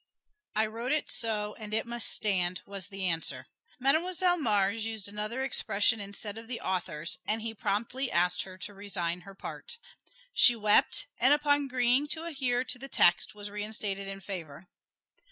"I wrote it so and it must stand," was the answer. Mademoiselle Mars used another expression instead of the author's, and he promptly asked her to resign her part. She wept, and upon agreeing to adhere to the text was reinstated in favor.